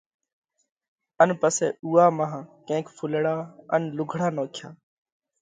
ان پسئہ اُوئا مانه ڪينڪ ڦُولڙا ان لُوگھڙا نوکيا۔